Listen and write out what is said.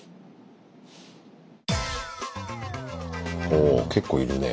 おお結構いるね